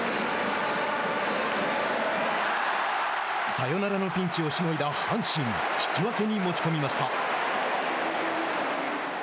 サヨナラのピンチをしのいだ阪神引き分けに持ち込みました。